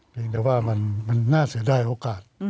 เพียงแต่ว่ามันน่าเสื่อได้โอกาส